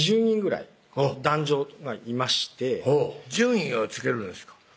２０人ぐらい男女がいまして順位をつけるんですか？